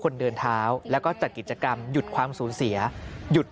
คนเดินเท้าแล้วก็จัดกิจกรรมหยุดความสูญเสียหยุด